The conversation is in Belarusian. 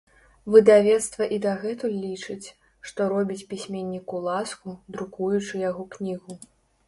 Выдавецтва і дагэтуль лічыць, што робіць пісьменніку ласку, друкуючы яго кнігу.